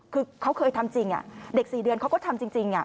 คือเขาเคยทำจริงเด็ก๔เดือนเขาก็ทำจริง